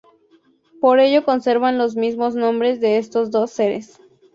Por ello conservan los mismos nombres de estos dos seres.